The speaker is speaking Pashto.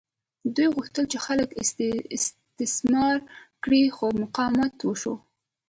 دوی غوښتل چې خلک استثمار کړي خو مقاومت وشو.